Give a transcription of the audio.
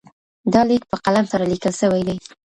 دا لیک په قلم سره لیکل سوی دی.